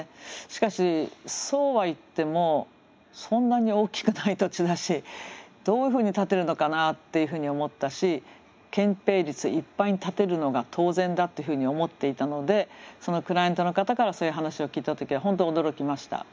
しかしそうはいってもそんなに大きくない土地だしどういうふうに建てるのかなっていうふうに思ったし建ぺい率いっぱいに建てるのが当然だっていうふうに思っていたのでそのクライアントの方からそういう話を聞いた時は本当驚きました。